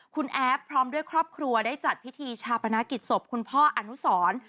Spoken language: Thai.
คุณแอฟพร้อมด้วยครอบครัวได้จัดพิธีชาปนกิจศพคุณพ่ออนุสร